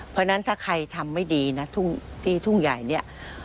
เพราะฉะนั้นถ้าใครทำไม่ดีนะทุ่งที่ทุ่งใหญ่เนี่ย